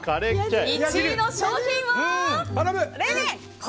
１位の商品は。